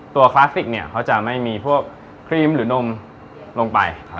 คลาสสิกเนี่ยเขาจะไม่มีพวกครีมหรือนมลงไป